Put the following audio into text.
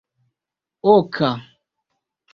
oka